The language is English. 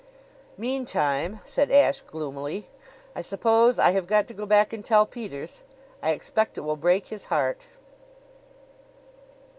"Meantime," said Ashe gloomily, "I suppose I have got to go back and tell Peters. I expect it will break his heart."